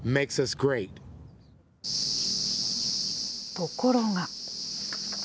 ところが。